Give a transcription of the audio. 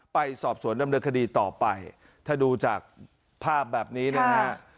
ไปสอบสวนดำเนินคดีต่อไปถ้าดูจากภาพแบบนี้นะฮะ